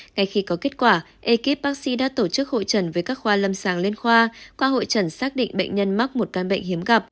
ngay khi có kết quả ekip bác sĩ đã tổ chức hội trần với các khoa lâm sàng liên khoa qua hội trần xác định bệnh nhân mắc một căn bệnh hiếm gặp